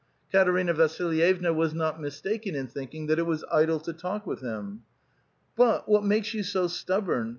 Kateriua Vasilvdvna was not mistaken in thinking that it was idle to talk with him. '*• But what makes you so stubborn?